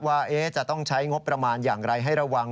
ว่าจะต้องใช้งบประมาณอย่างไรให้ระวัง